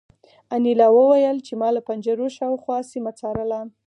انیلا وویل چې ما له پنجرو شاوخوا سیمه څارله